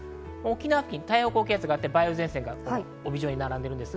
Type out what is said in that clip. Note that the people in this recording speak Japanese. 沖縄に太平洋高気圧があって、梅雨前線が帯状に並んでいます。